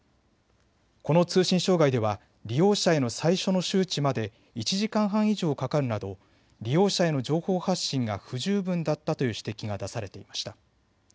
この通信障害では利用者への最初の周知まで１時間半以上かかるなど利用者への情報発信が不十分だったという指摘が出されていました。